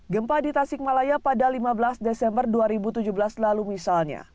gempa di tasikmalaya pada lima belas desember dua ribu tujuh belas lalu misalnya